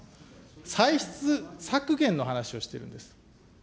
歳出削減の話をしているんです。